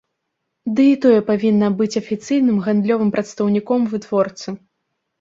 Ды і тое павінна быць афіцыйным гандлёвым прадстаўніком вытворцы.